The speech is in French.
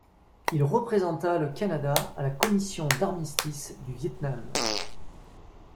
Il représenta le Canada à la Commission d'armistice du Vietnam.